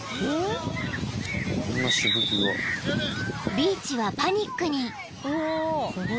［ビーチはパニックに］